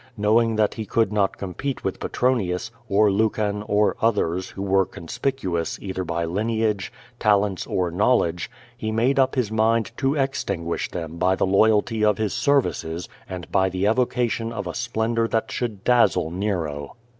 Knowing that he could not compete with Petronius, or Lucan, or others who were conspicuous either by lineage, talents, or knowledge, he made up his mind to extinguish them by the loyalty of his services, and by the evocation of a splendor that should dazzle Nero.